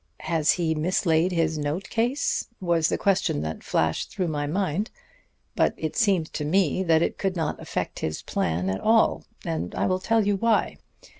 'Has he mislaid his note case?' was the question that flashed through my mind. But it seemed to me that it could not affect his plan at all, and I will tell you why.